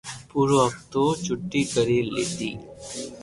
پورو حفتہ ڇوتي ڪري ليتو